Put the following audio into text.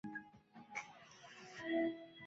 সে হিন্দুস্তান এর কোথায় আছে?